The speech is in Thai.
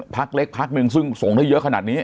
พักเล็กพักหนึ่งซึ่งส่งได้เยอะขนาดนี้